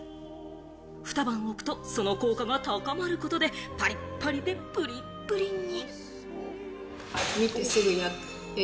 ふた晩置くと、その効果が高まることで、パリッパリでプリップリに！